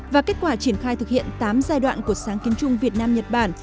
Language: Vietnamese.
và kết quả triển khai thực hiện tám giai đoạn của sáng kiến chung việt nam nhật bản